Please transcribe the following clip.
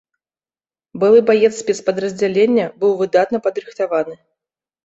Былы баец спецпадраздзялення, быў выдатна падрыхтаваны.